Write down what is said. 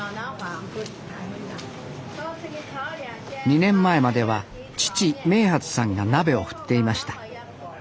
２年前までは父明發さんが鍋を振っていました。